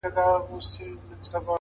اختر نژدې دی!